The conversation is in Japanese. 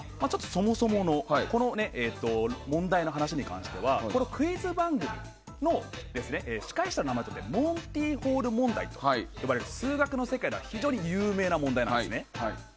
そもそものこの問題の話に関してはこれはクイズ番組の司会者の名前をとってモンティ・ホール問題と呼ばれ数学の世界では非常に有名な問題なんですね。